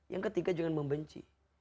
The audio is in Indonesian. yang ketiga jangan membenci